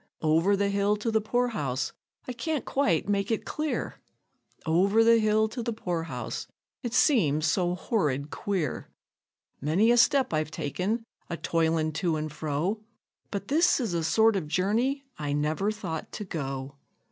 Over the hill to the poor house I can't quite make it clear! Over the hill to the poor house it seems so horrid queer! Many a step I've taken a toilin' to and fro, But this is a sort of journey I never thought to go.